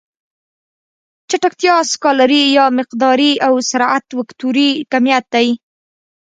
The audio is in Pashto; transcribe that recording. چټکتیا سکالري يا مقداري او سرعت وکتوري کميت دی.